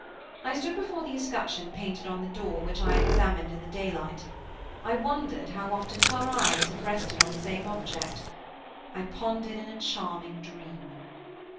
I stood before the escutcheon painted on the door, which I had examined in the daylight. I wondered how often her eyes had rested on the same object. I pondered in a charming dream.